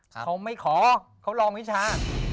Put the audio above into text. เขาไม่ขอเขาลองวิชา